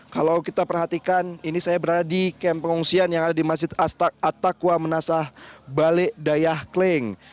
kalau kita perhatikan ini saya berada di kamp pengungsian yang ada di masjid attaqwa menasah balik dayah kling